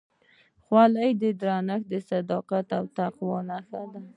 خولۍ د درنښت، صداقت او تقوا نښه ده.